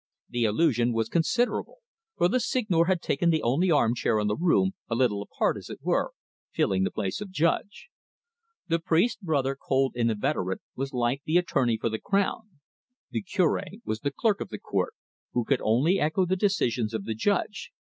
The illusion was considerable, for the Seigneur had taken the only arm chair in the room, a little apart, as it were, filling the place of judge. The priest brother, cold and inveterate, was like the attorney for the crown. The Cure was the clerk of the court, who could only echo the decisions of the Judge.